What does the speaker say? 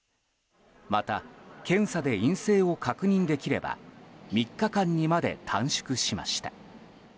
また、検査で陰性を確認できれば３日間にまで短縮しました。